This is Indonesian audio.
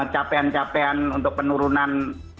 capaian capaian untuk penurunan